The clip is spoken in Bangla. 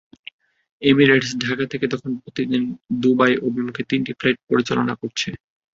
এমিরেটস ঢাকা থেকে এখন প্রতিদিন দুবাই অভিমুখে তিনটি ফ্লাইট পরিচালনা করছে।